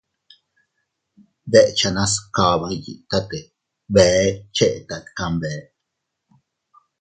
Dechenas kaba iyitate bee chetat kanbe.